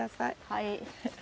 はい。